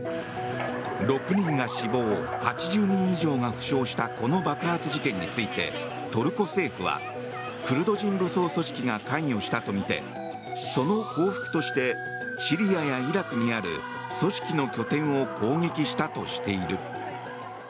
６人が死亡８０人以上が負傷したこの爆発事件についてトルコ政府はクルド人武装組織が関与したとみてその報復としてシリアやイラクにある組織の拠点を攻撃したとしている。